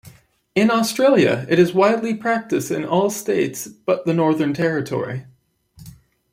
In Australia, it is widely practiced in all states but the Northern Territory.